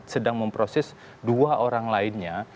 sedang memproses dua orang lainnya